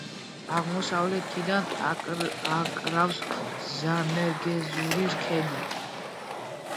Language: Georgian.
აღმოსავლეთიდან აკრავს ზანგეზურის ქედი.